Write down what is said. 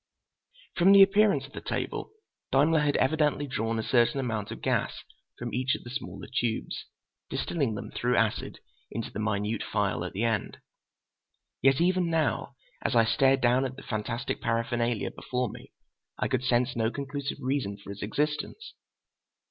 From the appearance of the table, Daimler had evidently drawn a certain amount of gas from each of the smaller tubes, distilling them through acid into the minute phial at the end. Yet even now, as I stared down at the fantastic paraphernalia before me, I could sense no conclusive reason for its existence.